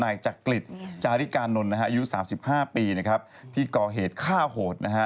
นายจากกฤษจาริกานนท์นะครับอายุ๓๕ปีนะครับที่ก่อเหตุฆ่าโหดนะฮะ